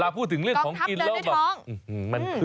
ไปกองทัพเดินด้วยท้อง